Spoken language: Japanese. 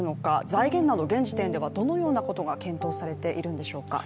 財源など、現時点ではどのようなことが検討されているんでしょうか。